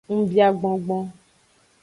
Ngubia gbongbon.